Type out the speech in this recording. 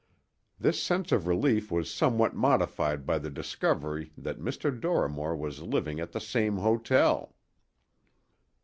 This sense of relief was somewhat modified by the discovery that Dr. Dorrimore was living at the same hotel.